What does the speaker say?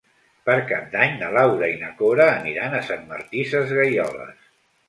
Per Cap d'Any na Laura i na Cora aniran a Sant Martí Sesgueioles.